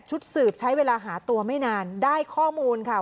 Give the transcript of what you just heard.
สืบใช้เวลาหาตัวไม่นานได้ข้อมูลค่ะ